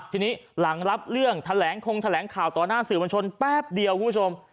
ทีนี้หลังรับเรื่องแถลงคงแถลงข่าวต่อหน้าสื่อมวลชนแป๊บเดียวคุณผู้ชม